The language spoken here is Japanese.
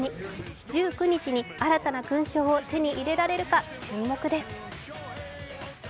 １９日に新たな勲章を手に入れられるか、注目です。